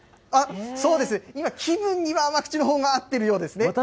今、気分には甘口のほうが合っているようですね。